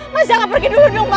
mas jangan pergi dulu dong mas